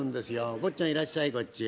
坊ちゃんいらっしゃいこっちへ。